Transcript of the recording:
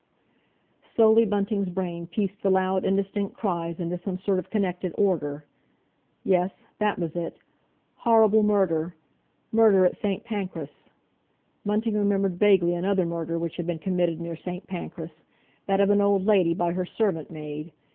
Slowly Bunting's brain pieced the loud, indistinct cries into some sort of connected order. Yes, that was it—"Horrible Murder! Murder at St. Pancras!" Bunting remembered vaguely another murder which had been committed near St. Pancras—that of an old lady by her servant maid.